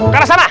ke arah sana